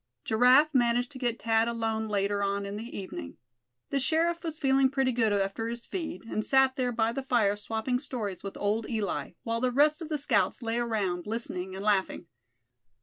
Giraffe managed to get Thad alone later on in the evening. The sheriff was feeling pretty good after his feed, and sat there by the fire swapping stories with old Eli, while the rest of the scouts lay around, listening and laughing.